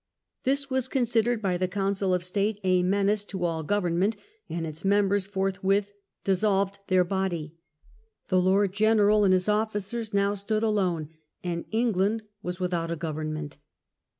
This was considered by the Council of State a menace to all government, and its members forthwith dissolved their body. The Lord general and his officers now stood alone, and England was without a government.